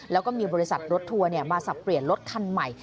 แล้วก็มีบริษัทรถทัวร์มาสับเปลี่ยนรถคันใหม่